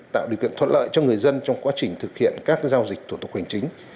tạo điều kiện thuận lợi cho người dân trong quá trình thực hiện các giao dịch thủ tục hành chính